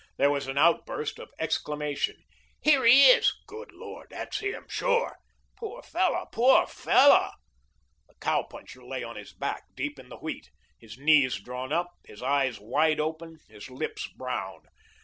There was an outburst of exclamation. "Here he is!" "Good Lord! Sure, that's him." "Poor fellow, poor fellow." The cow puncher lay on his back, deep in the wheat, his knees drawn up, his eyes wide open, his lips brown.